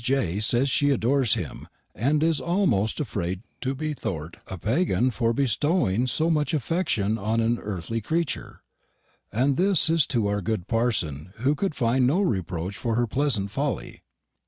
J. says she adors him, and is amost afraide to be thort a Paygann for bestoeing so much affection on a erthly creetur, and this to oure good parson who cou'd find no reproche for her plesant folly.